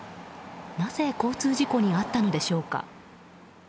なぜ交通事故に遭ったのでしょうか。